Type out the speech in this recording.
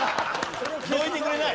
どいてくれない？